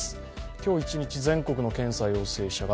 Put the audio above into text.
今日一日、全国の陽性者が